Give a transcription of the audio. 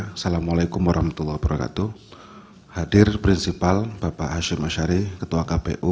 assalamu alaikum warahmatullahi wabarakatuh